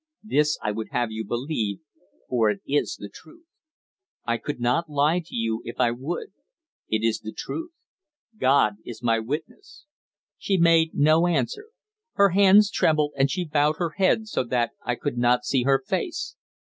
This I would have you believe, for it is the truth. I could not lie to you if I would; it is the truth God is my witness." She made me no answer. Her hands trembled, and she bowed her head so that I could not see her face.